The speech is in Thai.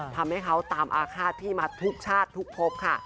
ทำให้เขาตามอาฆาตพี่มาทุกชาติทุกพบค่ะ